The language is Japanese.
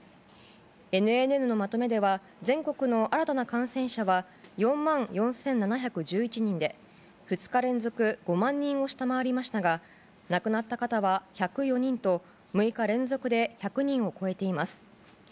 ＮＮＮのまとめでは全国の新たな感染者は４万４７１１人で２日連続５万人を下回りましたが亡くなった方は１０４人と６日連続で１００人を超えています。